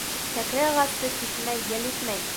Кәкре ағасты киҫмәй ел иҫмәй.